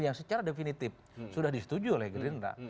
yang secara definitif sudah disetujui oleh gerindra